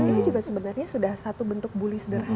ini juga sebenarnya sudah satu bentuk bully sederhana